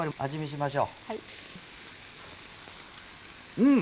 うん！